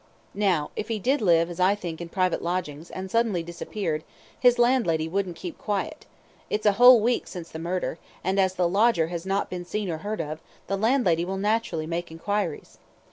Now, if he did live, as I think, in private lodgings, and suddenly disappeared, his landlady wouldn't keep quiet. It's a whole week since the murder, and as the lodger has not been seen or heard of, the landlady will naturally make enquiries.